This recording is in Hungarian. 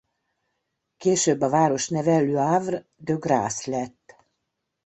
Később a város neve Le Havre-de-Gráce lett.